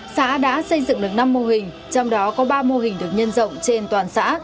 xã đã xây dựng được năm mô hình trong đó có ba mô hình được nhân rộng trên toàn xã